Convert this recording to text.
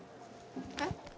えっ？